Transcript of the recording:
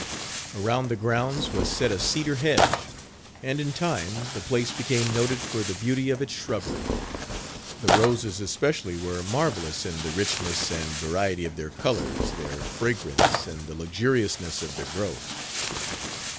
Around the grounds was set a cedar hedge, and, in time, the place became noted for the beauty of its shrubbery; the roses especially were marvelous in the richness and variety of their colors, their fragrance and the luxuriousness of their growth.